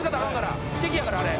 敵やからあれ。